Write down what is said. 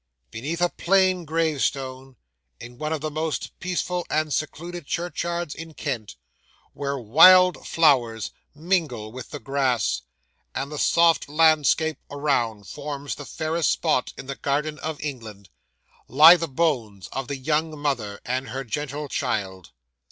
'Beneath a plain gravestone, in one of the most peaceful and secluded churchyards in Kent, where wild flowers mingle with the grass, and the soft landscape around forms the fairest spot in the garden of England, lie the bones of the young mother and her gentle child.